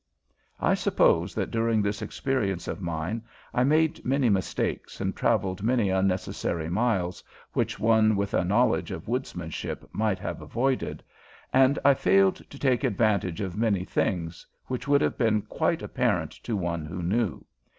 I suppose that during this experience of mine I made many mistakes and traveled many unnecessary miles which one with a knowledge of woodsmanship might have avoided, and I failed to take advantage of many things which would have been quite apparent to one who knew.